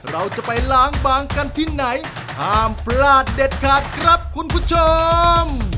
เราจะไปล้างบางกันที่ไหนห้ามพลาดเด็ดขาดครับคุณผู้ชม